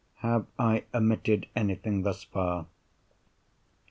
Have I omitted anything, thus far?